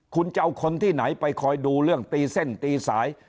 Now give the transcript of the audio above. คุณจะเอาคนที่ไหนไปคอยดูเรื่องตีเส้นตีสาย